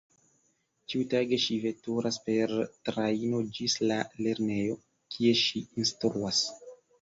Ĉiutage ŝi veturas per trajno ĝis la lernejo, kie ŝi instruas.